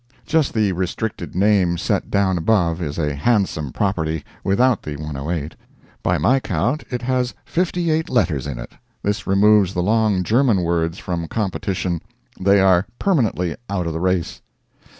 Just the restricted name set down above is a handsome property, without the 108. By my count it has 58 letters in it. This removes the long German words from competition; they are permanently out of the race.